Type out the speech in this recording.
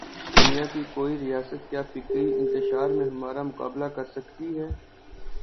دنیا کی کوئی ریاست کیا فکری انتشار میں ہمارا مقابلہ کر سکتی ہے؟